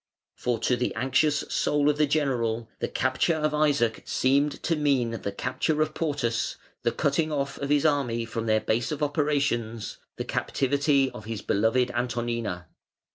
For to the anxious soul of the general the capture of Isaac seemed to mean the capture of Portus, the cutting off of his army from their base of operations, the captivity of his beloved Antonina.